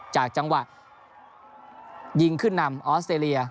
จังหวะยิงขึ้นนำออสเตรเลีย